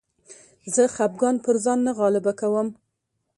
زه خپګان پر ځان نه غالبه کوم.